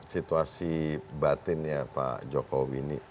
situasi batin ya pak jokowi ini